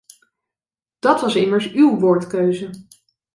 Dat was immers uw woordkeuze.